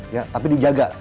ya tapi dijaga